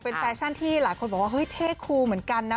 เป็นแฟชั่นที่หลายคนบอกว่าเฮ้ยเท่คูเหมือนกันนะ